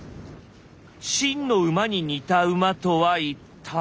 秦の馬に似た馬とは一体。